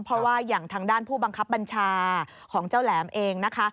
เพราะว่าอย่างทางด้านผู้บังคับบัญชาของเจ้าแหลมเองนะคะ